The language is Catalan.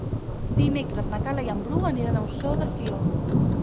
Dimecres na Carla i en Bru aniran a Ossó de Sió.